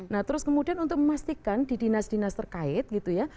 nah terus kemudian untuk memastikan di dinas dinas terkait gitu ya